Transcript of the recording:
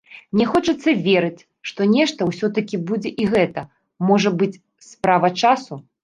Мне хочацца верыць, што нешта ўсё-такі будзе і гэта, можа быць, справа часу.